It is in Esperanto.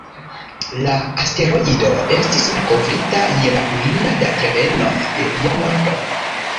La asteroido estis malkovrita je la kvina datreveno de lia morto.